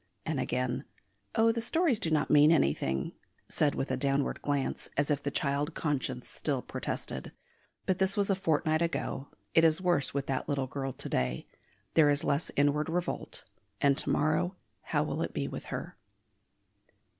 And again, "Oh, the stories do not mean anything," said with a downward glance, as if the child conscience still protested. But this was a fortnight ago. It is worse with that little girl to day; there is less inward revolt; and to morrow how will it be with her?